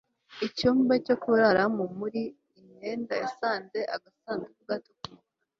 icyumba cyo kuraramo. muri imyenda, yasanze agasanduku gato k'umukara